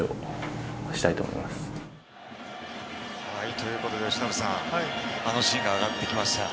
ということで由伸さん、あのシーンが上がってきました。